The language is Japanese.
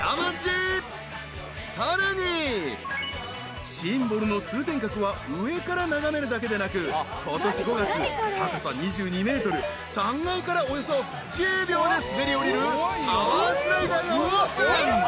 ［さらに］［シンボルの通天閣は上から眺めるだけでなくことし５月高さ２２ｍ３階からおよそ１０秒で滑り降りるタワースライダーがオープン］